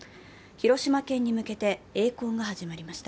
広島県に向けてえい航が始まりました。